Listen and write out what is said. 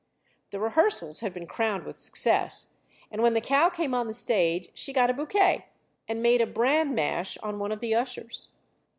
The rehearsals had been crowned with success, and when the cow came on the stage she got a bouquet, and made a bran mash on one of the ushers.